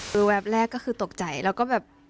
คือแวบแรกก็คือตกใจแล้วก็แบบ